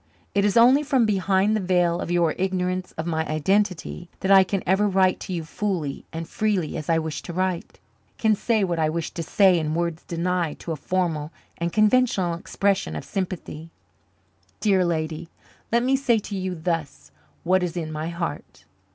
It is only from behind the veil of your ignorance of my identity that I can ever write to you fully and freely as I wish to write can say what I wish to say in words denied to a formal and conventional expression of sympathy. Dear lady, let me say to you thus what is in my heart.